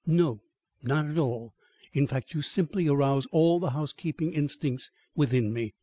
"No; not at all. In fact, you simply arouse all the housekeeping instincts within me.